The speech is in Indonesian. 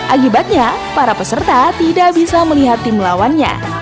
akibatnya para peserta tidak bisa melihat tim lawannya